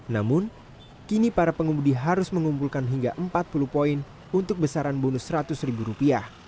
namun kini para pengemudi harus mengumpulkan hingga empat puluh poin untuk besaran bonus rp seratus